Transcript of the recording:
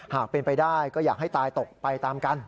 หากเป็นไปได้ก็อยากให้ตายตกไปตามกัน